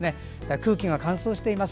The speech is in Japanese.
空気が乾燥しています。